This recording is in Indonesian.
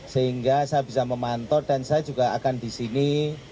sehingga saya bisa memantau dan saya juga akan di sini